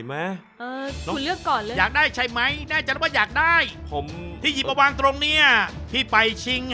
ไปเป็นคนปะกิ่งใช่ไหมผมคนปะกิ่ง